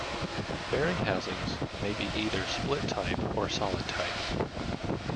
Bearing housings may be either split type or solid type.